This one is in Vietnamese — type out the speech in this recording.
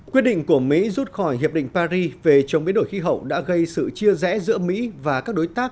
quyết định của mỹ rút khỏi hiệp định paris về chống biến đổi khí hậu đã gây sự chia rẽ giữa mỹ và các đối tác